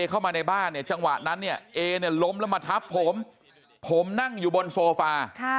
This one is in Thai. เข้ามาในบ้านเนี่ยจังหวะนั้นเนี่ยเอเนี่ยล้มแล้วมาทับผมผมนั่งอยู่บนโซฟา